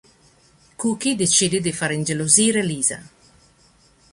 Cookie decide di far ingelosire Lisa.